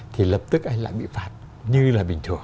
thì lập tức anh lại bị phạt như là bình thường